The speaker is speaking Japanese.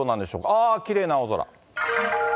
ああ、きれいな青空。